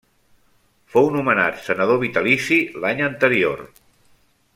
Fou nomenat Senador vitalici l'any anterior.